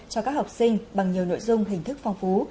cho các học sinh bằng nhiều nội dung hình thức phong phú